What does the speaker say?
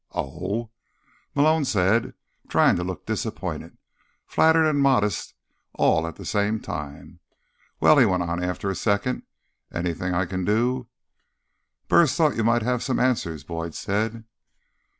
"Oh," Malone said, trying to look disappointed, flattered and modest all at the same time. "Well," he went on after a second, "anything I can do—" "Burris thought you might have some answers," Boyd said.